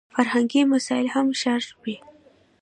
فرهنګي مسایل هم شاربي.